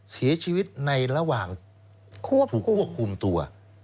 เสียชีวิตในระหว่างถูกควบคุมตัว